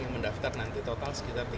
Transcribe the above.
mendaftar nanti total sekitar tiga ratus ribu